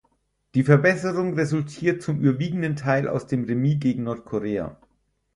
Die Verbesserung resultiert zum überwiegenden Teil aus dem Remis gegen Nordkorea.